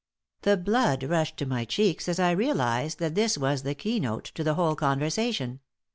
The blood rushed to my cheeks as I realized that this was the keynote to the whole conversation.